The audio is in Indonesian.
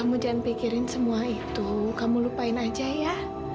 kamu jangan pikirin semua itu kamu lupain aja ya